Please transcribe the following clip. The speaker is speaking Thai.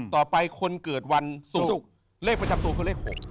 ต่อไปคนเกิดวันศุกร์เลขประจำตัวคือเลข๖